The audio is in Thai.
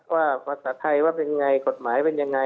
ว่าภาษาไทยว่าเป็นอย่างไรกฏหมายว่าเป็นอย่างไร